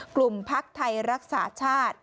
กลุ่มภักดิ์ไทยรักษาชาติ